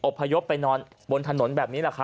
อบพยพไปนอนบนถนนแบบนี้